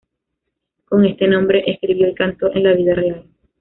Con este nombre escribió y canto en la vida real.